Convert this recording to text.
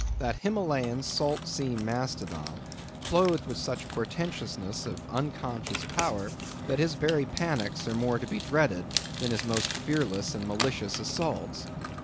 That Himmalehan, salt sea Mastodon, clothed with such portentousness of unconscious power, that his very panics are more to be dreaded than his most fearless and malicious assaults!